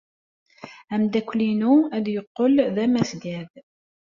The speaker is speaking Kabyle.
Ameddakel-inu ad yeqqel d amasgad.